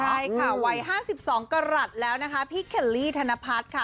ใช่ค่ะวัย๕๒กรัฐแล้วนะคะพี่เคลลี่ธนพัฒน์ค่ะ